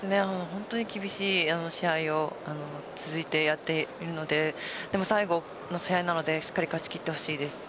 本当に厳しい試合が続いてやっているので最後の試合なので勝ち切ってほしいです。